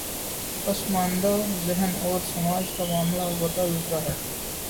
پس ماندہ ذہن اور سماج کا معاملہ البتہ دوسرا ہے۔